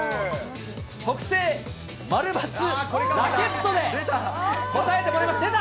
特製〇×ラケットで答えてもらいます。